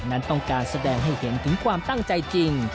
นั้นต้องการแสดงให้เห็นถึงความตั้งใจจริง